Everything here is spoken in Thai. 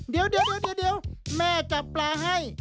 เดี๋ยวแม่จับปลาให้